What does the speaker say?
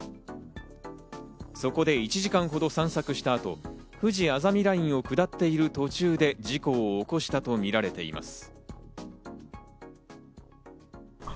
そこで１時間ほど散策したあと、ふじあざみラインを下っている途中で事故を起こしたとみられています。